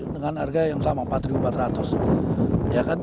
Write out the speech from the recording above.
dengan harga yang sama rp empat empat ratus